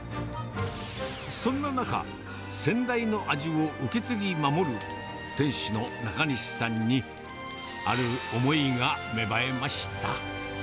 そんな中、先代の味を受け継ぎ守る店主の中西さんに、ある思いが芽生えました。